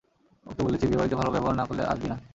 ওকে বলেছি, বিয়েবাড়িতে ভালো ব্যবহার না করলে আসবি না।